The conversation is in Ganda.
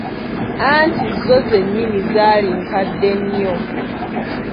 Anti zo zennyini zaali nkadde nnyo.